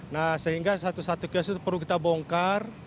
nah sehingga satu satu kios itu perlu kita bongkar